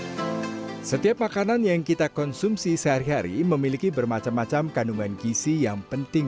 hai setiap makanan yang kita konsumsi sehari hari memiliki bermacam macam kandungan gizi yang penting